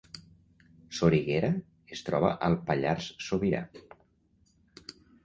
Soriguera es troba al Pallars Sobirà